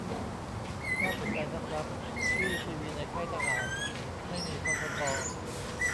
น่าสนใจนะครับที่ทีวีในค่ายทหารไม่มีททบ